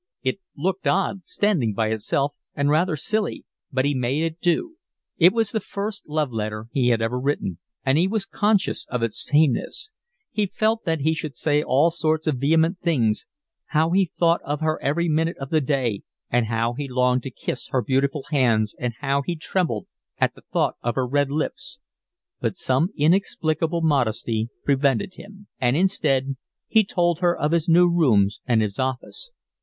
It looked odd, standing by itself, and rather silly, but he made it do. It was the first love letter he had ever written, and he was conscious of its tameness; he felt that he should say all sorts of vehement things, how he thought of her every minute of the day and how he longed to kiss her beautiful hands and how he trembled at the thought of her red lips, but some inexplicable modesty prevented him; and instead he told her of his new rooms and his office.